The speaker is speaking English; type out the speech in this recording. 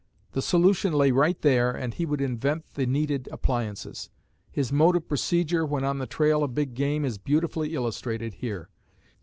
The solution lay right there and he would invent the needed appliances. His mode of procedure, when on the trail of big game, is beautifully illustrated here.